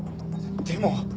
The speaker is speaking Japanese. でも。